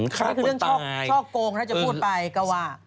คาดตายชอบโกงถ้าจะพูดไปก็ว่า